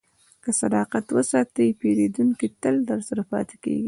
که صداقت وساتې، پیرودونکی تل درسره پاتې کېږي.